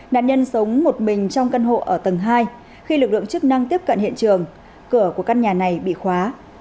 nạn nhân sống một mình trong căn hộ ở tầng hai khi lực lượng chức năng tiếp cận hiện trường cửa của căn nhà này bị khóa